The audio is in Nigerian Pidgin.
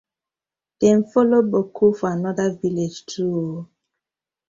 Dem follow boku for another villag too oo.